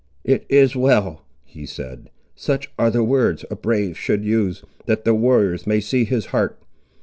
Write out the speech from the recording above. "It is well," he said; "such are the words a brave should use, that the warriors may see his heart.